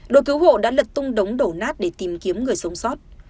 đội cứu hộ đã lật tung đống đổ nát để tìm kiếm người sống sót